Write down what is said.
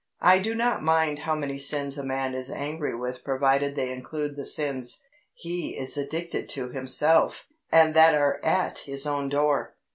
I do not mind how many sins a man is angry with provided they include the sins he is addicted to himself and that are at his own door.